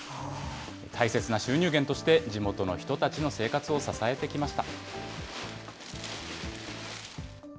大切な収入源として、地元の人たちの生活を支えてきました。